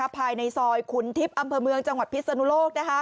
ภายในซอยขุนทิพย์อำเภอเมืองจังหวัดพิศนุโลก